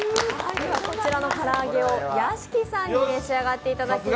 こちらのから揚げを屋敷さんに召し上がっていただきます。